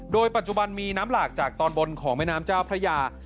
โดยปัจจุบันมีน้ำหลากจากตอนบนของแม่น้ำเจ้าพระยา